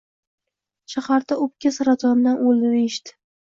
Shaharda, o`pka saratonidan o`ldi, deyishdi